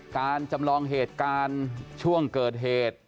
จำลองเหตุการณ์ช่วงเกิดเหตุ